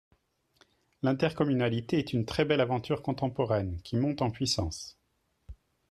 L’intercommunalité est une très belle aventure contemporaine, qui monte en puissance.